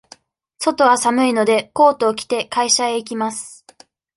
外は寒いので、コートを着て、会社へ行きます。